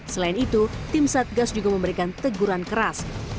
selain itu tim satgas juga memberikan teguran keras